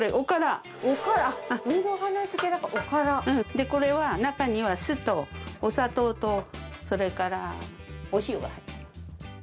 でこれは中には酢とお砂糖とそれからお塩が入ってる。